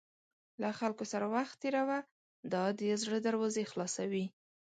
له خلکو سره وخت تېروه، دا د زړه دروازې خلاصوي.